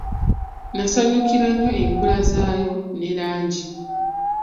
Nasanyukira nnyo enkula yaazo ne langi.